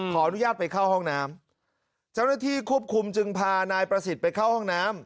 ขออนุญาตไปเข้าห้องน้ำเจ้าหน้าที่ควบคุมจึงพานายประสิทธิ์ไปเข้าห้องน้ำ